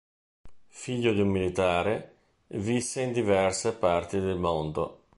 Figlio di un militare, visse in diverse parti del mondo.